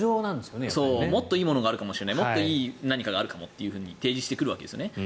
もっといいものがあるかもしれないもっといい何かがあるかもって提示してくるわけですよね。